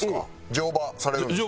乗馬されるんですか？